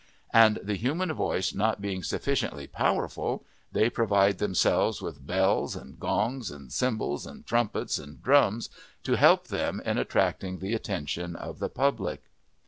And the human voice not being sufficiently powerful, they provide themselves with bells and gongs and cymbals and trumpets and drums to help them in attracting the attention of the public.